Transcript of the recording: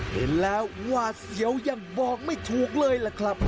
เห็นแล้วหวาดเสียวยังบอกไม่ถูกเลยล่ะครับ